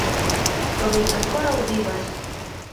Tobin ankoraŭ vivas!